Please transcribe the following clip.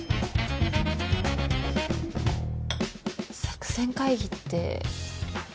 作戦会議って？